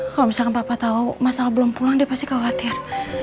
kalo misalkan papa tau mas al belum pulang dia pasti khawatir